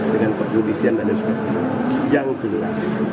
dengan perjudisian dan sebagainya yang jelas